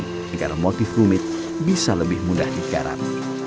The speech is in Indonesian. sehingga motif rumit bisa lebih mudah dikarat